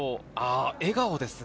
笑顔ですね。